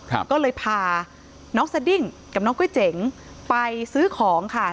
ก็เลยพาน้องสดิ้งกับน้องก๋วยเจ๋งไปซื้อของค่ะ